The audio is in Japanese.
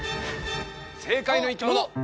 正解の生き物！